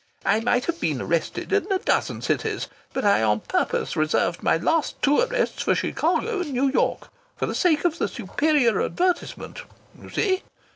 I might have been arrested in a dozen cities, but I on purpose reserved my last two arrests for Chicago and New York, for the sake of the superior advertisement, you see!